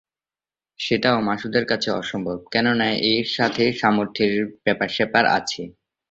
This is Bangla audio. সেটাও মাসুদার কাছে অসম্ভব, কেননা এর সাথে সামর্থের ব্যাপার-স্যাপার আছে।